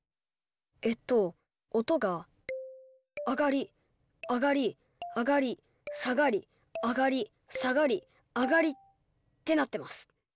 えっと音が上がり上がり上がり下がり上がり下がり上がりってなってます。